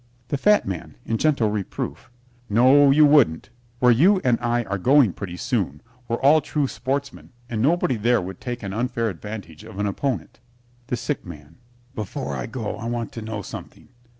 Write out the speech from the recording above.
THE FAT MAN (in gentle reproof) No, you wouldn't. Where you and I are going pretty soon we're all true sportsmen and nobody there would take an unfair advantage of an opponent. THE SICK MAN Before I go I want to know something.